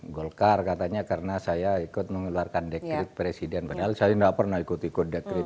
golkar katanya karena saya ikut mengeluarkan dekret presiden padahal saya nggak pernah ikut ikut dekret